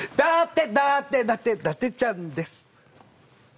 てだてだてちゃんです